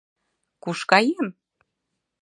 «Куш каем?